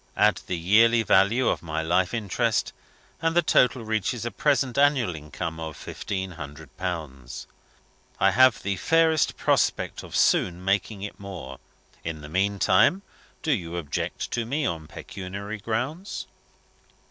Add the yearly value of my life interest and the total reaches a present annual income of fifteen hundred pounds. I have the fairest prospect of soon making it more. In the meantime, do you object to me on pecuniary grounds?"